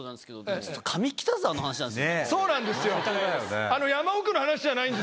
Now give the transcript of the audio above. そうなんですよ！